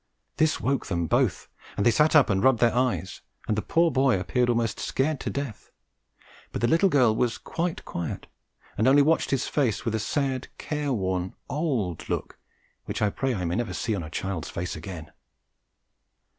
This woke them both, and they sat up and rubbed their eyes, and the poor boy appeared almost scared to death, but the little girl was quite quiet, and only watched his face with a sad careworn old look which I pray I may never see on a child's face again.